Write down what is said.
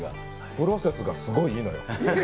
プロセスがすごいいいのよ。